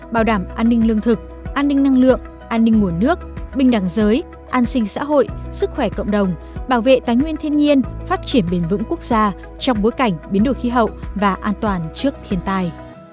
bảo đảm an ninh lương thực an ninh năng lượng an ninh nguồn nước bình đẳng giới an sinh xã hội sức khỏe cộng đồng bảo vệ tánh nguyên thiên nhiên phát triển bền vững quốc gia trong bối cảnh biến đổi khí hậu và an toàn trước thiên tai